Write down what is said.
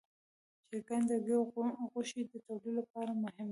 چرګان د هګیو او غوښې د تولید لپاره مهم دي.